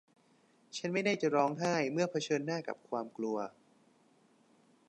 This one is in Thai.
ฉันไม่ได้จะร้องไห้เมื่อเผชิญหน้ากับความกลัว